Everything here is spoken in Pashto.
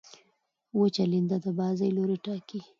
وچه لنده د بازۍ لوری ټاکي.